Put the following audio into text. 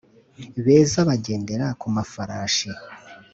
beza bagendera ku mafarashi